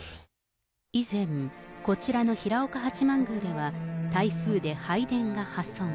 以前、こちらの平岡八幡宮では台風で拝殿が破損。